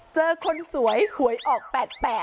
เจอคนสวยหวยออกแปบแปด